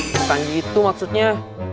bukan gitu maksudnya